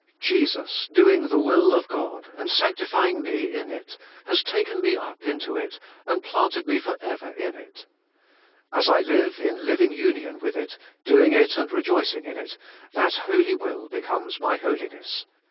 Jesus doing the will of God, and sanctifying me in it, has taken me up into it, and planted me for ever in it. As I live in living union with it, doing it and rejoicing in it, that holy will becomes my holiness.